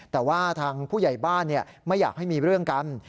แต่ว่าทางผู้ใหญ่บ้านไม่อยากให้มีเรื่องกัน